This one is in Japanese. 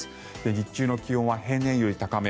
日中の気温は平年より高め。